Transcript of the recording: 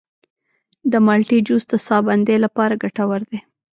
د مالټې جوس د ساه بندۍ لپاره ګټور دی.